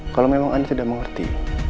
kalau memang anda sudah mengerti